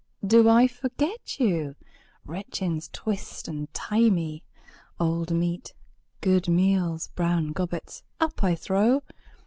Do I forget you? Retchings twist and tie me, Old meat, good meals, brown gobbets, up I throw.